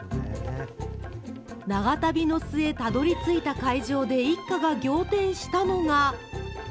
長旅の末、たどりついた会場で一家が仰天したのが。